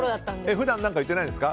普段何か言ってないんですか？